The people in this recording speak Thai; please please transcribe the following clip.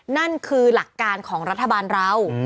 นั่นคือหลักการของรัฐบาลเรา